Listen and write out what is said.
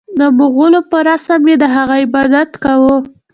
د مغولو په رسم یې د هغه عبادت کاوه.